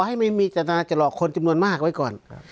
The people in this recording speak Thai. ให้ไม่มีจนาจะหลอกคนจำนวนมากไว้ก่อน